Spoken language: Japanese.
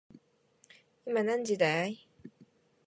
今何時だい